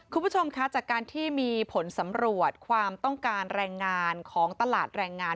คุณผู้ชมคะจากการที่มีผลสำรวจความต้องการแรงงานของตลาดแรงงาน